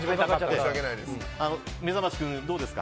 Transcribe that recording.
めざましくん、どうですか。